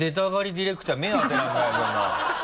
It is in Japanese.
ディレクター目ぇ当てられないそんな。